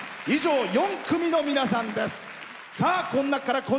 以上、４組の皆さんです。